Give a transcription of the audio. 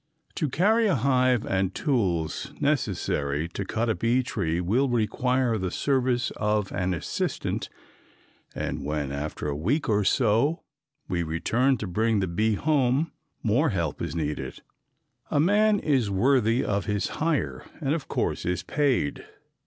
To carry a hive and tools necessary to cut a bee tree will require the service of an assistant and when, after a week or so, we return to bring the bee home, more help is needed. A man is worthy of his hire and of course is paid.